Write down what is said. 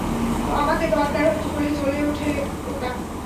আমাকে দরকার হলে জ্বলে ওঠে ওটা।